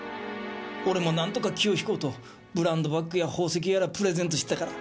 俺も何とか気を引こうとブランドバッグや宝石やらプレゼントしてたから。